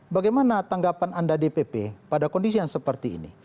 bagaimana tanggapan anda dpp pada kondisi yang seperti ini